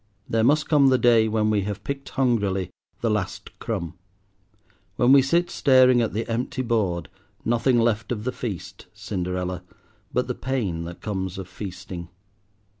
There must come the day when we have picked hungrily the last crumb—when we sit staring at the empty board, nothing left of the feast, Cinderella, but the pain that comes of feasting.